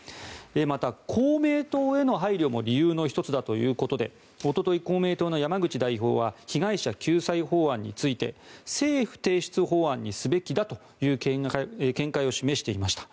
また、公明党への配慮も理由の１つだということでおととい、公明党の山口代表は被害者救済法案について政府提出法案にすべきだという見解を示していました。